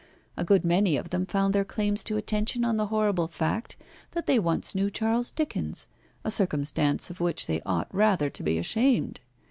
A good many of them found their claims to attention on the horrible fact that they once knew Charles Dickens, a circumstance of which they ought rather to be ashamed.